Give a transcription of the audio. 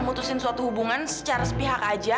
memutuskan suatu hubungan secara sepihak aja